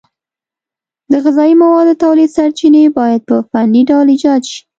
د غذایي موادو تولید سرچینې باید په فني ډول ایجاد شي.